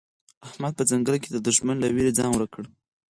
احمد په ځنګله کې د دوښمن له وېرې ځان ورک کړ.